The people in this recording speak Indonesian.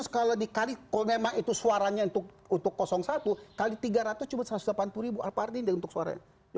kalau dikali kalau memang itu suaranya untuk satu kali tiga ratus cuma satu ratus delapan puluh ribu alpardin untuk suaranya